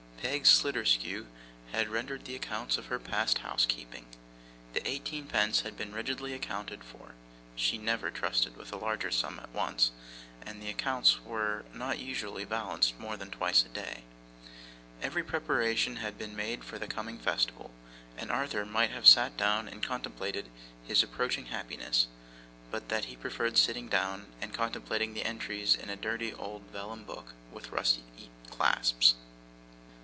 Peg Sliderskew had rendered the accounts of her past housekeeping; the eighteen pence had been rigidly accounted for (she was never trusted with a larger sum at once, and the accounts were not usually balanced more than twice a day); every preparation had been made for the coming festival; and Arthur might have sat down and contemplated his approaching happiness, but that he preferred sitting down and contemplating the entries in a dirty old vellum book with rusty clasps.